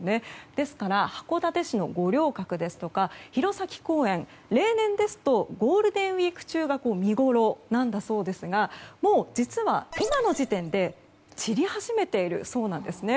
ですから函館市の五稜郭ですとか弘前公園、例年ですとゴールデンウィーク中が見ごろなんだそうですがもう実は今の時点で散り始めているそうなんですね。